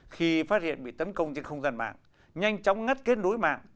khi phát hiện bị tấn công trên không gian mạng nhanh chóng ngắt kết nối mạng